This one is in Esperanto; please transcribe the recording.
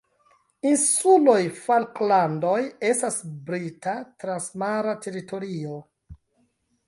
Insuloj Falklandoj estas Brita transmara teritorio.